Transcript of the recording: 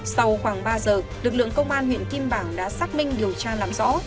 sau khoảng ba giờ lực lượng công an huyện kim bảng đã xác minh điều tra làm rõ